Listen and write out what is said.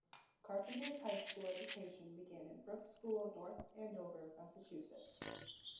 Carpenter's high school education began in Brooks School North Andover, Massachusetts.